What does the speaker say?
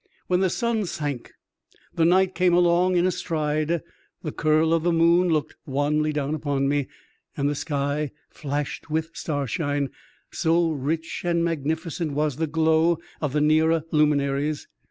When the sun sank, the night came along in a stride ; the curl of the moon looked wanly down upon me, and the sky flashed with starshine, so rich and magnifi cent was the glow of the nearer luminaries.